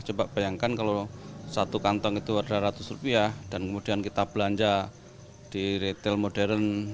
coba bayangkan kalau satu kantong itu ada ratus rupiah dan kemudian kita belanja di retail modern